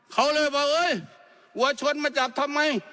เขาเลยบอกเอ้ยวัวชนมาจับทำไม